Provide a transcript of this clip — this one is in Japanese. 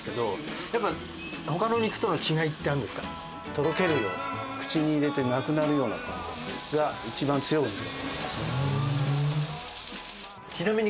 とろけるような口に入れてなくなるような感覚が一番強いお肉になります。